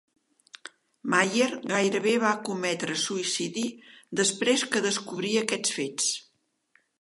Mayer gairebé va cometre suïcidi després que descobrir aquests fets.